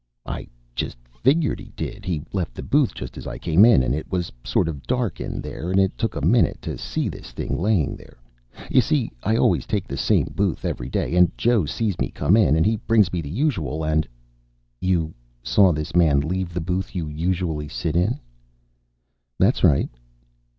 "I just figured he did. He left the booth just as I came in and it was sort of dark in there and it took a minute to see this thing laying there. You see, I always take the same booth every day and Joe sees me come in and he brings me the usual and " "You saw this man leave the booth you usually sit in?" "That's right."